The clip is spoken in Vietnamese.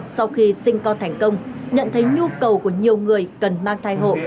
sau khi sinh con thành công nhận thấy nhu cầu của nhiều người cần mang thai hộ